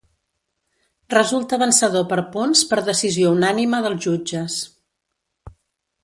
Resulta vencedor per punts per decisió unànime dels jutges.